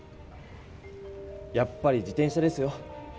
やっぱり自転車ですよ。